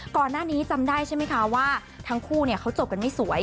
ก่อนหน้านี้จำได้ใช่ไหมคะว่าทั้งคู่เขาจบกันไม่สวย